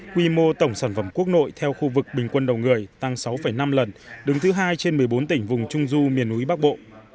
quy mô tổng sản phẩm quốc nội theo khu vực bình quân đầu người tăng sáu năm lần đứng thứ hai trên một mươi bốn tỉnh vùng trung du miền núi bắc bộ